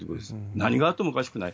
何があってもおかしくない。